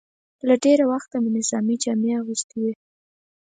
له ډېره وخته مې نظامي جامې اغوستې وې.